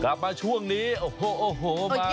กลับมาช่วงนี้โอ้โหโอ้โห